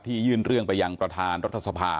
ยื่นเรื่องไปยังประธานรัฐสภา